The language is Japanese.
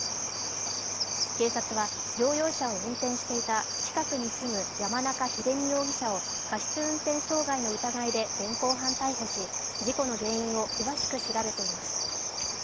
警察は乗用車を運転していた近くに住む山中秀美容疑者を過失運転傷害の疑いで現行犯逮捕し事故の原因を詳しく調べています。